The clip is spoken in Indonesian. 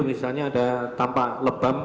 misalnya ada tampak lebam